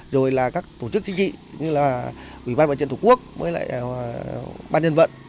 rồi là các tổ chức chính trị như là ubnd thủ quốc với lại ubnd vận